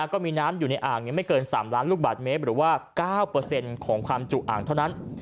ก็มีน้ำอยู่ในอ่างไม่เกิน๓ล้านลูกบาทเมตรหรือว่า๙ของความจุอ่างเท่านั้น